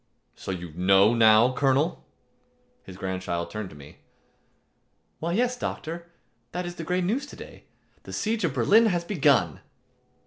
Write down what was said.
"So you know now, Colonel?" His grandchild turned to me; "Why, yes, doctor. That is the great news to day. The siege of Berlin has begun."